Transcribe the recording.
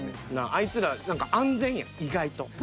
あいつら安全やん意外と。